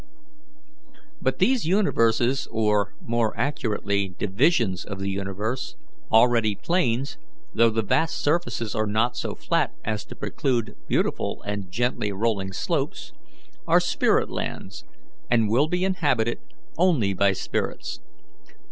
"But these universes or, more accurately, divisions of the universe already planes, though the vast surfaces are not so flat as to preclude beautiful and gently rolling slopes, are spirit lands, and will be inhabited only by spirits.